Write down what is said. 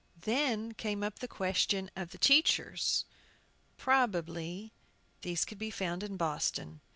Then came up the question of the teachers. Probably these could be found in Boston.